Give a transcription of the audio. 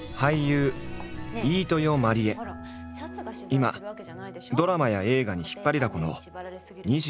今ドラマや映画に引っ張りだこの２５歳。